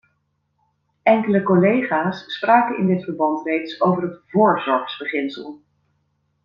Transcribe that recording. Enkele collega's spraken in dit verband reeds over het voorzorgsbeginsel.